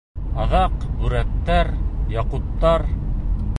Аҙаҡ бүрәттәр, яҡуттар...